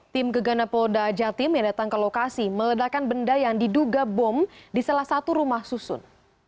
tim gegana polda jatim yang datang ke lokasi meledakan benda yang diduga bom di salah satu rumah susun